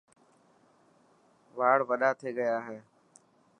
واڙ وڏا ٿي گيا هي.